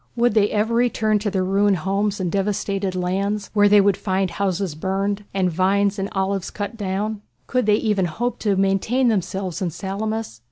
Would they ever return to their ruined homes and devastated lands, where they would find houses burned, and vines and olives cut down? Could they even hope to maintain themselves in Salamis?